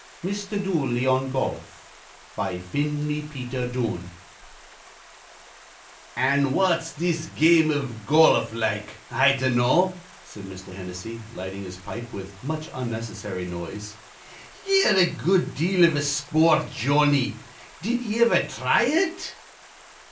MR. DOOLEY ON GOLF BY FINLEY PETER DUNNE "An' what's this game iv goluf like, I dinnaw?" said Mr. Hennessy, lighting his pipe with much unnecessary noise. "Ye're a good deal iv a spoort, Jawnny: did ye iver thry it?"